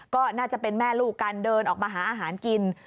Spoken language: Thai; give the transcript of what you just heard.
ก็น่าจะเป็นแม่ลูกกันเดินออกมาหาอาหารกิน